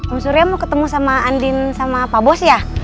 bu surya mau ketemu sama andin sama pak bos ya